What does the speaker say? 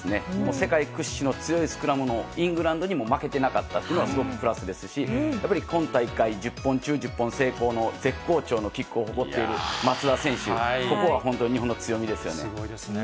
世界屈指の強いスクラムのイングランドにも負けてなかったっていうのがすごくプラスですし、やっぱり今大会、１０本中１０本成功の絶好調のキックを誇っている松田選手、すごいですね。